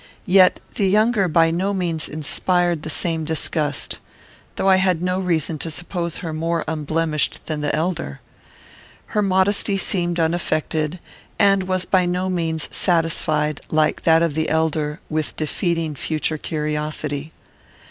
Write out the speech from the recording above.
Yet the younger by no means inspired the same disgust; though I had no reason to suppose her more unblemished than the elder. Her modesty seemed unaffected, and was by no means satisfied, like that of the elder, with defeating future curiosity.